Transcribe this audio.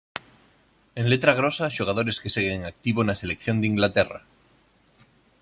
En letra grosa xogadores que seguen en activo na selección de Inglaterra.